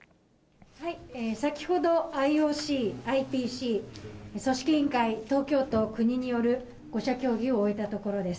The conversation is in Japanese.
先ほどＩＯＣ、ＩＰＣ、組織委員会、東京都、国による５者協議を終えたところです。